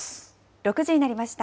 ６時になりました。